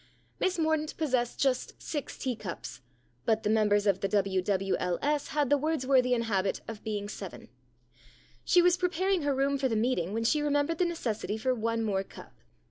Miss Mordaunt possessed just six tea cups, but the members of the W.W.L.S. had the Words worthian habit of being seven. She was preparing her room for the meeting when she remembered the necessity for one more cup.